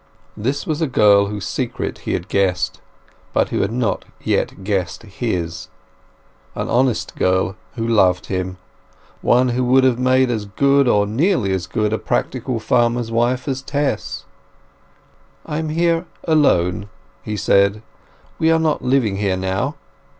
This was a girl whose secret he had guessed, but who had not yet guessed his; an honest girl who loved him—one who would have made as good, or nearly as good, a practical farmer's wife as Tess. "I am here alone," he said; "we are not living here now."